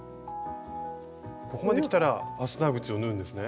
ここまできたらファスナー口を縫うんですね。